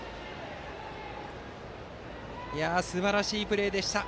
すばらしいプレーでした。